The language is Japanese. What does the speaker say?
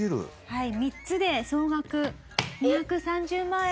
はい。